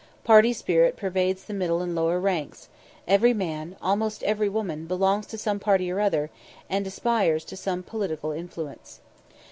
Party spirit pervades the middle and lower ranks; every man, almost every woman, belongs to some party or other, and aspires to some political influence.